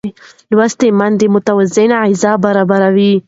لوستې میندې متوازنه غذا برابروي.